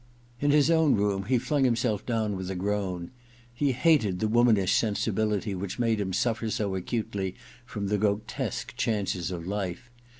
In his own room he flung himself down with a groan. He hated the womanish sensibility which made him suflFer so acutely from the grotesque chances of life.